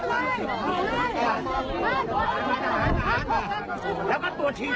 ผมจะรายการลายปวิศ